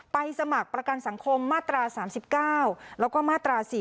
สมัครประกันสังคมมาตรา๓๙แล้วก็มาตรา๔๔